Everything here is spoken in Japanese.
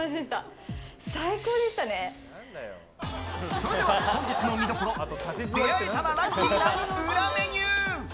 それでは本日の見どころ出会えたらラッキーな裏メニュー。